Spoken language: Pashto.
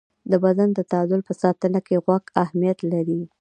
د بدن د تعادل په ساتنه کې غوږ اهمیت لري.